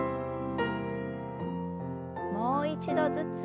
もう一度ずつ。